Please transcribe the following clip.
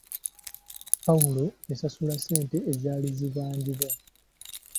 Pawulo yasasula ssente ezaali zibanjibwa.